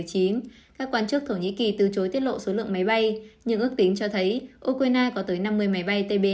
các quan chức thổ nhĩ kỳ từ chối tiết lộ số lượng máy bay nhưng ước tính cho thấy ukraine có tới năm mươi máy bay tb